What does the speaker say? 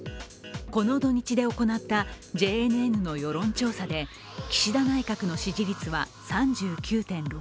この土日で行ったＪＮＮの世論調査で岸田内閣の支持率は３９．６％。